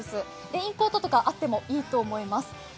レインコートとかあってもいいと思います。